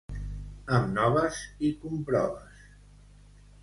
Amb noves i comproves.